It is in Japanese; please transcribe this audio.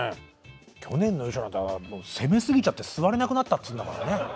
去年の衣装なんか攻めすぎちゃって座れなくなったっていうんだからね。